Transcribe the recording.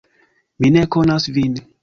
"Mi ne konas vin."